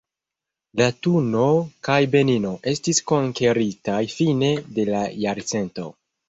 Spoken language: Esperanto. Latuno kaj Benino estis konkeritaj fine de la jarcento.